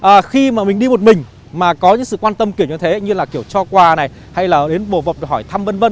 và khi mà mình đi một mình mà có những sự quan tâm kiểu như thế như là kiểu cho quà này hay là đến bồ vập hỏi thăm vân vân